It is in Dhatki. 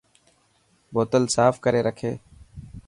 بوتل ساف ڪري رکي.